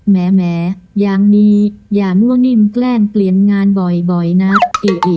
แม้อย่างนี้อย่ามั่วนิ่มแกล้งเปลี่ยนงานบ่อยนักอิ